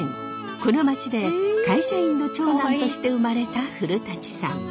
この町で会社員の長男として生まれた古さん。